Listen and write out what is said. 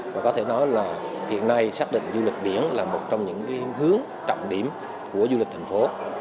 và có thể nói là hiện nay xác định du lịch biển là một trong những hướng trọng điểm của du lịch thành phố